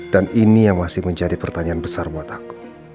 dan ini yang masih menjadi pertanyaan besar buat aku